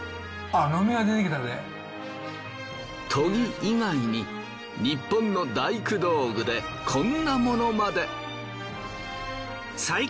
砥ぎ以外にニッポンの大工道具でこんなものまで。